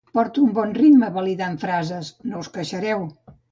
Porto un bon ritme validant frases, no us queixareu.